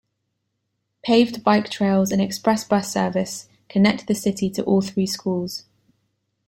Paved bike trails and express bus service connect the city to all three schools.